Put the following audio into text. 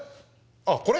あっこれ？